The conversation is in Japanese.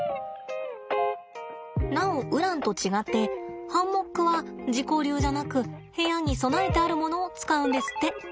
なおウランと違ってハンモックは自己流じゃなく部屋に備えてあるものを使うんですって。